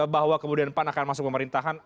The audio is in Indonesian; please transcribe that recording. bahwa kemudian pan akan masuk pemerintahan